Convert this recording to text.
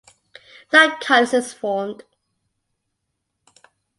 No callus is formed.